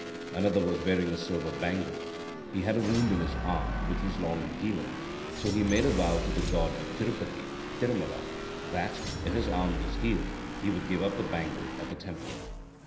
Another was wearing a silver bangle. He had a wound in his arm which was long in healing, so he made a vow to the god at Tirupati (Tirumala) that, if his arm was healed, he would give up the bangle at the temple.